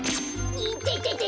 いててて！